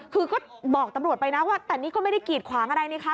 คือก็บอกตำรวจไปนะว่าแต่นี่ก็ไม่ได้กีดขวางอะไรนี่คะ